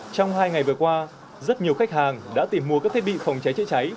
trong hai ngày vừa qua rất nhiều khách hàng đã tìm mua các thiết bị phòng cháy chữa cháy